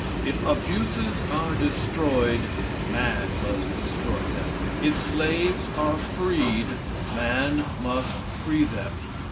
If abuses are destroyed, man must destroy them. If slaves are freed, man must free them.